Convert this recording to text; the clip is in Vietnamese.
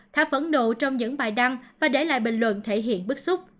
thả phẫn nộ trong những bài đăng và để lại bình luận thể hiện bức xúc